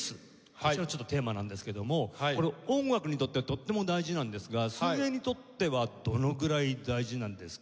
こちらがテーマなんですけどもこれ音楽にとってはとっても大事なんですが水泳にとってはどのぐらい大事なんですか？